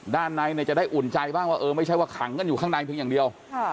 ด้านในจะได้อุ่นใจบ้างว่าเออไม่ใช่ว่าขังกันอยู่ข้างในเพียงอย่างเดียว